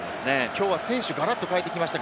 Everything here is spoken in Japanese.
きょうは選手をガラッと変えてきました。